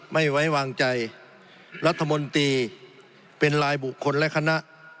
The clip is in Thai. ไม่ไว้วางใจรัฐมนตรีเป็นรายบุคคลและคณะ